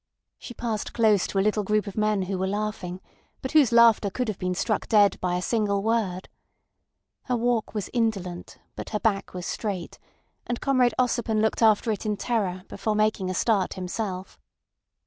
She passed close to a little group of men who were laughing, but whose laughter could have been struck dead by a single word. Her walk was indolent, but her back was straight, and Comrade Ossipon looked after it in terror before making a start himself.